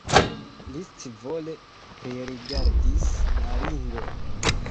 Li scivole pririgardis la ringon.